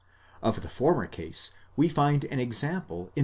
Of the former case we find an example in.